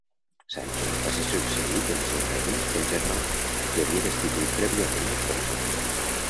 Sancho va ser succeït en els seus regnes pel germà, que havia destituït prèviament Alfonso.